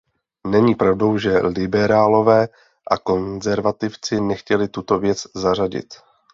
Není pravdou, že liberálové a konzervativci nechtěli tuto věc zařadit.